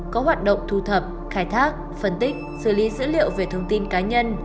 có hoạt động thu thập khai thác phân tích xử lý dữ liệu về thông tin cá nhân